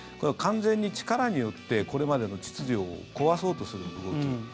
完全に力によって、これまでの秩序を壊そうとする動き。